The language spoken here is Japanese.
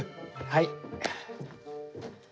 はい。